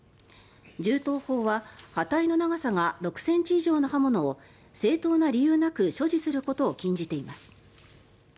銃刀法は刃体の長さが６ｃｍ以上の刃物を正当な理由なく所持することを禁じています。